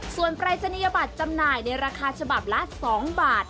ส่วนปรายศนียบัตรจำหน่ายในราคาฉบับละ๒บาท